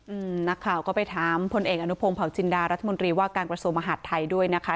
อืมนักข่าวก็ไปถามพลเอกอนุพงศ์เผาจินดารัฐมนตรีว่าการกระทรวงมหาดไทยด้วยนะคะ